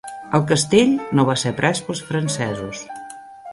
El castell no va ser pres pels francesos.